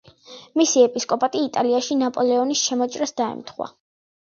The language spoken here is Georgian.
მისი ეპისკოპატი იტალიაში ნაპოლეონის შემოჭრას დაემთხვა.